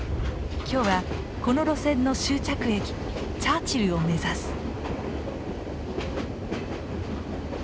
今日はこの路線の終着駅チャーチルを目指す。